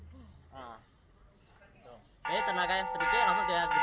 jadi tenaga yang sedikit langsung dia gede